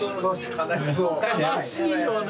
悲しいよね。